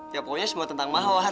ya pokoknya semua tentang mahat